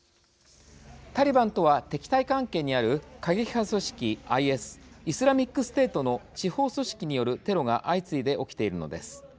タリバンとは敵対関係にある過激派組織ＩＳイスラミックステートの地方組織によるテロが相次いで起きているのです。